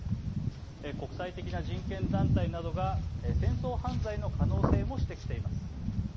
国際的な人権団体などが戦争犯罪の可能性も指摘しています。